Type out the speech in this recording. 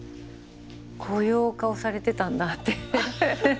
こういうお顔されてたんだって。